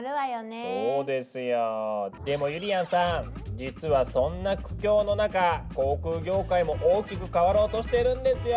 実はそんな苦境の中航空業界も大きく変わろうとしてるんですよ。